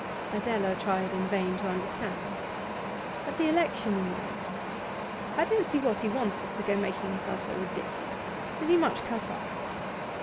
Adela tried in vain to understand. 'At the election, you know. I don't see what he wanted to go making himself so ridiculous. Is he much cut up?